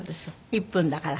１分だから。